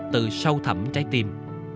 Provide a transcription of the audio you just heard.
từ sâu thẳm trái tim